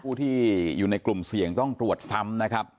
ผู้ที่อยู่ในกลุ่มเสี่ยงต้องตรวจซ้ำนะครับ